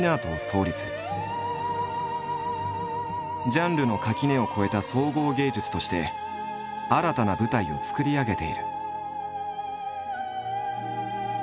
ジャンルの垣根を越えた総合芸術として新たな舞台を作り上げている。